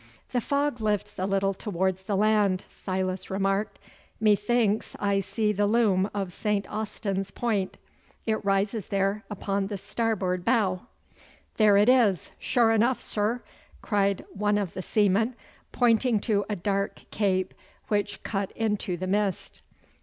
'The fog lifts a little towards the land,' Silas remarked. 'Methinks I see the loom of St. Austin's Point. It rises there upon the starboard bow.' 'There it is, sure enough, sir!' cried one of the seamen, pointing to a dark cape which cut into the mist.